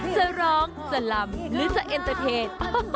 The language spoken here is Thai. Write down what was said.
จะร้องจะลำหรือจะเอ็นเตอร์เทจ